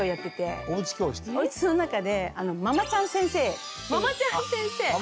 おうちの中で「ママちゃん先生」っていう。